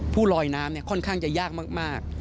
ผู้ลอยน้ำเนี่ยค่อนข้างจะยากมาก